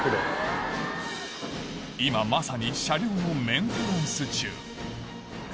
今まさに車両のメンテナンス中